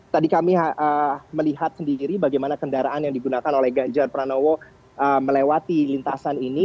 tadi kami melihat sendiri bagaimana kendaraan yang digunakan oleh ganjar pranowo melewati lintasan ini